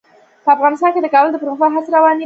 په افغانستان کې د کابل د پرمختګ هڅې روانې دي.